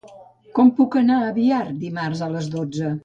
Com puc anar a Biar dimarts a les dotze?